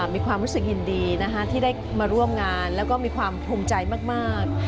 มีความรู้สึกยินดีที่ได้มาร่วมงานแล้วก็มีความภูมิใจมาก